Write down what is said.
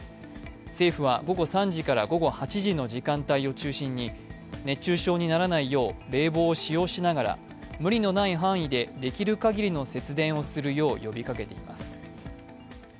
政府は午後３時から午後８時の時間帯を中心に熱中症にならないよう冷房を使用しながら無理のない範囲でできるかぎりの節電をするよう呼びかけています。